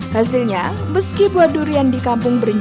hasilnya meski buah durian di kampung berencana